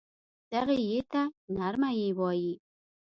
دغې ی ته نرمه یې وايي.